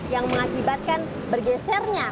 yang mengakibatkan bergesernya